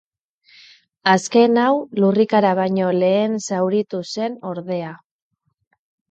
Azken hau, lurrikara baino lehen zauritu zen, ordea.